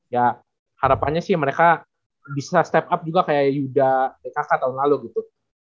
ya harapannya sih mereka bisa step up juga kayak yuda pkk tahun lalu gitu